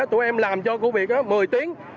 tụi em làm cho công việc một mươi tiếng